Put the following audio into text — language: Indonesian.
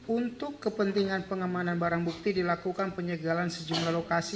untuk kepentingan pengamanan barang bukti dilakukan penyegalan sejumlah lokasi